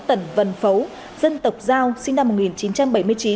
tẩn vân phấu dân tộc giao sinh năm